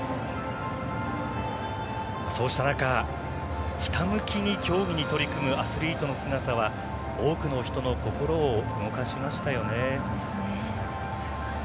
そうした中、ひたむきに競技に取り組むアスリートの姿は多くの人の心を動かしましたよね。